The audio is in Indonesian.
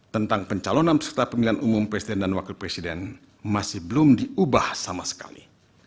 tentang pencalonan peserta pemilihan umum presiden dan wakil presiden masih belum diubah sama sekali